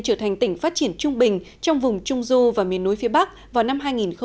trở thành tỉnh phát triển trung bình trong vùng trung du và miền núi phía bắc vào năm hai nghìn ba mươi